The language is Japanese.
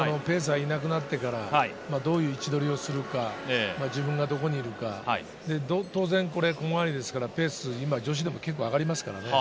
あとはペーサーがいなくなってからどういう位置取りをするか、自分がどこにいるか、小回りですからペース、今、女子でも上がりますからね。